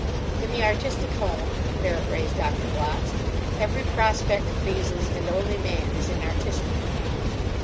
In the artistic home—to paraphrase Dr. Watts—every prospect pleases and only man is inartistic.